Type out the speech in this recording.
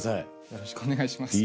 よろしくお願いします。